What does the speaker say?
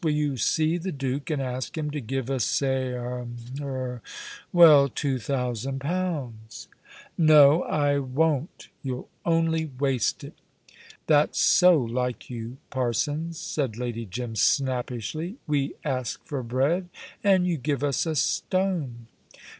"Will you see the Duke, and ask him to give us say er er well, two thousand pounds?" "No, I won't. You'll only waste it." "That's so like you parsons," said Lady Jim snappishly: "we ask for bread, and you give us a stone."